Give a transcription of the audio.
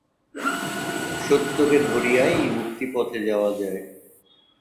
সত্যকে ধরিয়াই মুক্তিপথে যাওয়া যায়।